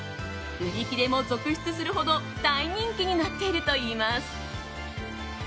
売り切れも続出するほど大人気になっているといいます。